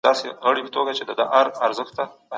ایا دولت د فابریکو د بندېدو مخه ونیوله؟